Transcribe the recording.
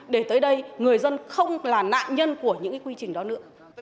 để tới đây người dân không là nạn nhân của những quy trình đó nữa